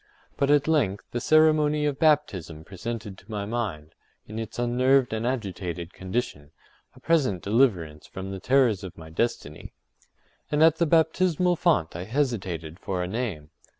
But at length the ceremony of baptism presented to my mind, in its unnerved and agitated condition, a present deliverance from the terrors of my destiny. And at the baptismal font I hesitated for a name.